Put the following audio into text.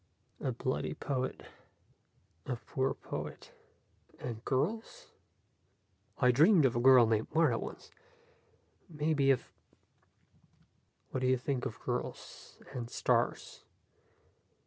"A bloody poet." "A poor poet." "And girls?" "I dreamed of a girl named Martha once. Maybe if " "What do you think of girls? And stars?